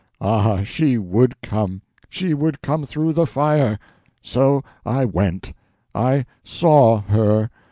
Ah, she would come—she would come through the fire! So I went. I saw her.